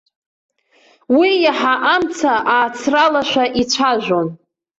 Уи иаҳа амца аацралашәа ицәажәон.